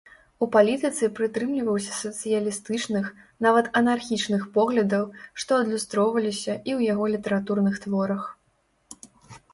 У палітыцы прытрымліваўся сацыялістычных, нават анархічных поглядаў, што адлюстроўвалася і ў яго літаратурных творах.